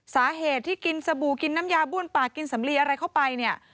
สาเหตุที่กินสบู่กินน้ำยาบ้วนปากกินสำลีอะไรเข้าไปเนี่ย